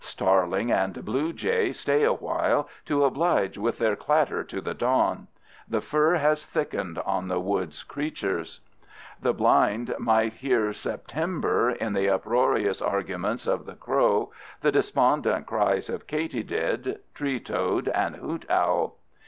Starling and blue jay stay awhile to oblige with their clatter to the dawn. The fur has thickened on the woods creatures. The blind might hear September in the uproarious arguments of the crow, the despondent cries of katydid, tree toad, and hoot owl.